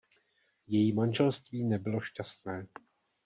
Její manželství nebylo šťastné.